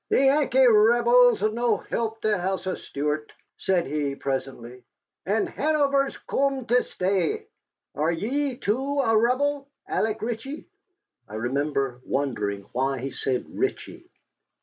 "The Yankee Rebels 'll no help the House of Stuart," said he, presently. "And Hanover's coom to stay. Are ye, too, a Rebel, Alec Ritchie?" I remember wondering why he said Ritchie.